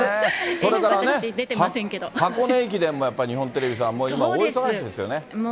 それからね、箱根駅伝もやっぱり日本テレビさん、今、大忙しですよね。